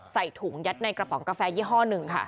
ใส่ถุงยัดในกระป๋องกาแฟยี่ห้อหนึ่งค่ะ